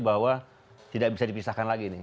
bahwa tidak bisa dipisahkan lagi ini